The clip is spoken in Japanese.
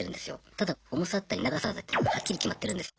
ただ重さだったり長さだったりがはっきり決まってるんです。